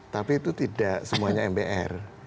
tapi itu tidak semuanya mbr